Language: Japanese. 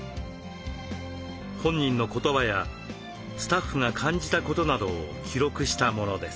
本人の言葉やスタッフが感じたことなどを記録したものです。